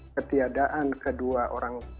ketiadaan kedua orang